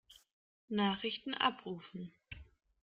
Nachrichten abrufen.